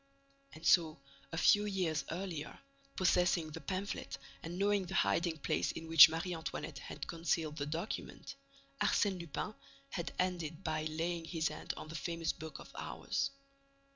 And so, a few years earlier, possessing the pamphlet and knowing the hiding place in which Marie Antoinette had concealed the document, Arsène Lupin had ended by laying his hand on the famous book of hours.